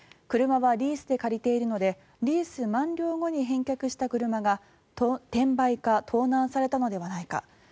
車はリースで借りているのでリース満了後に返却した車が転売か盗難されたのではないか。